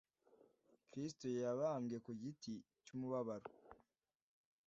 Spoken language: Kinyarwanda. Kristo yababwe ku igiti cy’ umubabaro